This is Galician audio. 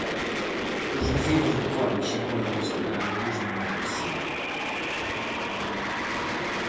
Os veciños de Corme xa poden esperar o bus na marquesiña.